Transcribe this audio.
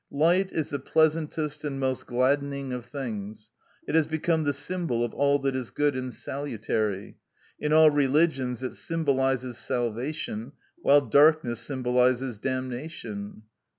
Light is the pleasantest and most gladdening of things; it has become the symbol of all that is good and salutary. In all religions it symbolises salvation, while darkness symbolises damnation.